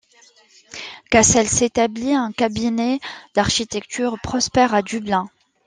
Cassels établit un cabinet d’architecture prospère à Dublin.